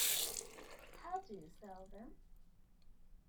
How do you sell them?